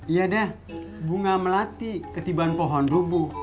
iya dah bunga melati ketibaan pohon rubuh